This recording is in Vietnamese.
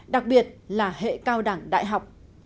đặc biệt là hệ cao đẳng đại học